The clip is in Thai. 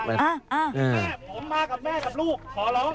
แม่ผมมากับแม่กับลูกขอร้อง